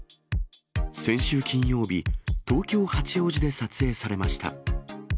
先週金曜日、東京・八王子で撮影されました。